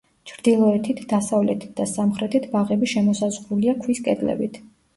ჩრდილოეთით, დასავლეთით და სამხრეთით ბაღები შემოსაზღვრულია ქვის კედლებით.